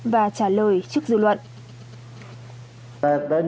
và trả lời trước dự luận